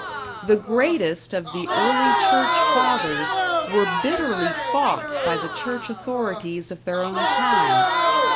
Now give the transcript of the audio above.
The greatest of the early Church fathers were bitterly fought by the Church authorities of their own time.